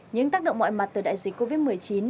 những tác động mọi mặt từ đại dịch covid một mươi chín